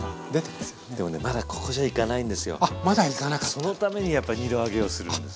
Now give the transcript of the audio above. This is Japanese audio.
そのためにやっぱり２度揚げをするんです。